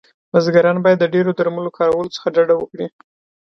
بزګران باید د ډیرو درملو کارولو څخه ډډه وکړی